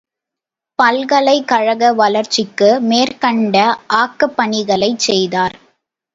பல்கலைக் கழக வளர்ச்சிக்கு மேற்கண்ட ஆக்கப் பணிகளைச் செய்தார்.